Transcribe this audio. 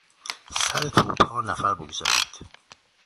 سر توپها نفر بگذارید!